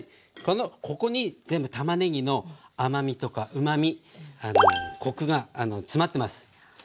ここに全部たまねぎの甘みとかうまみコクが詰まってます。